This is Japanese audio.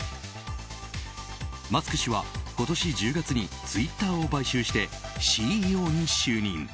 マスク氏は今年１０月にツイッターを買収しＣＥＯに就任。